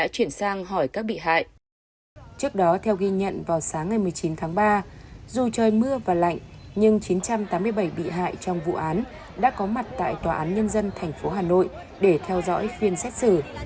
trước đó theo ghi nhận vào sáng ngày một mươi chín tháng ba dù trời mưa và lạnh nhưng chín trăm tám mươi bảy bị hại trong vụ án đã có mặt tại tòa án nhân dân tp hà nội để theo dõi phiên xét xử